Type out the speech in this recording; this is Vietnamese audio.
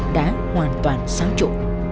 đã hoàn toàn sáng trụ